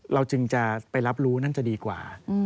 เราจึงจะไปรับรู้นั่นจะดีกว่า